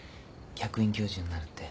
客員教授になるって。